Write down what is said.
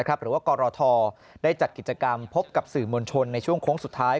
หรือว่ากรทได้จัดกิจกรรมพบกับสื่อมวลชนในช่วงโค้งสุดท้าย